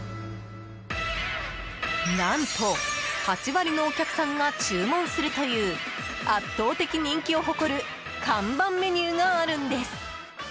何と８割のお客さんが注文するという圧倒的人気を誇る看板メニューがあるんです。